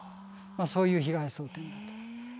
そういう被害想定になってます。